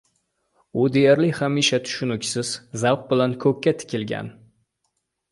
U deyarli hamisha tushuniksiz zavq bilan koʻkka tikilgan